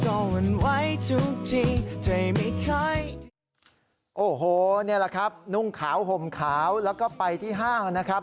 โอ้โหนี่แหละครับนุ่งขาวห่มขาวแล้วก็ไปที่ห้างนะครับ